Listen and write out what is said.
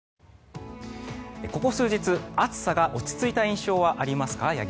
ここ数日暑さが落ち着いた印象はありますか？